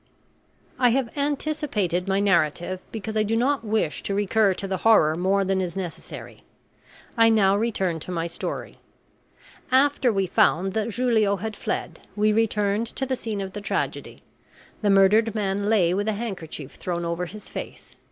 I have anticipated my narrative because I do not wish to recur to the horror more than is necessary. I now return to my story. After we found that Julio had fled, we returned to the scene of the tragedy. The murdered man lay with a handkerchief thrown over his face.